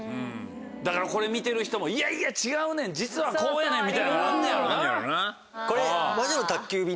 だからこれ見てる人もいやいや違うねん実はこうやねんみたいなのがあんねやろな。